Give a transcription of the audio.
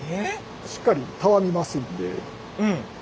しっかりたわみますんで。